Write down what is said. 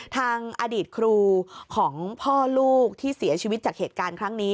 ทางอดีตครูของพ่อลูกที่เสียชีวิตจากเหตุการณ์ครั้งนี้